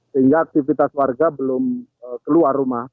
sehingga aktivitas warga belum keluar rumah